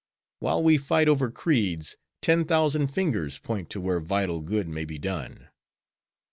While we fight over creeds, ten thousand fingers point to where vital good may be done.